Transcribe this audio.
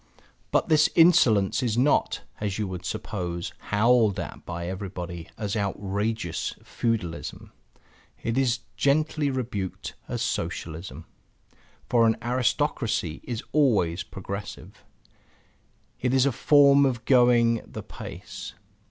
But this insolence is not (as you would suppose) howled at by everybody as outrageous feudalism. It is gently rebuked as Socialism. For an aristocracy is always progressive; it is a form of going the pace.